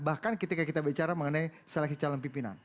bahkan ketika kita bicara mengenai seleksi calon pimpinan